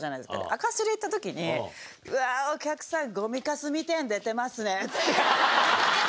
あかすり行ったときに、うわー、お客さん、ごみかすみたいの出てますねって。